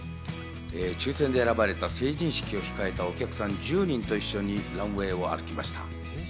抽選で選ばれた、成人式を控えたお客さん１０人と一緒にランウェイを歩きました。